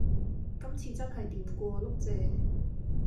今次真係掂過碌蔗